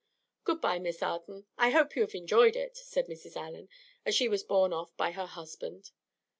"Good by, Miss Arden. I hope you have enjoyed it," said Mrs. Allen, as she was borne off by her husband.